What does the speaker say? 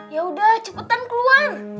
yaudah cepetan keluar